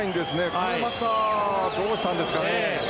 これはどうしたんですかね。